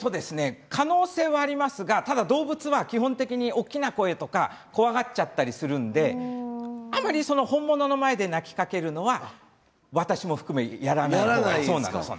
可能性ありますが動物は基本的に、大きな声を怖がったりしますのであまり本物の前で鳴きかけるのは私も含めてやらないです。